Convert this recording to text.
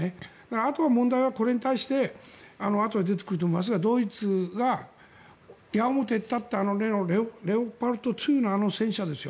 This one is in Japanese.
あと、問題はこれに対してあとで出てくると思いますがドイツが矢面に立った例のレオパルド２のあの戦車ですよ。